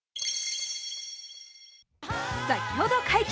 先ほど解禁。